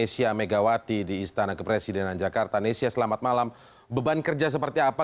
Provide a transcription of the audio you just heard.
jadi seperti di total juga